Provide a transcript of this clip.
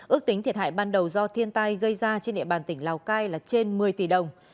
ước tính thiệt hại ban đầu do thiên tai gây ra trên địa bàn tỉnh lào cai là trên một mươi tỷ đồng